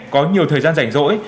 có nhiều thời gian rảnh rỗi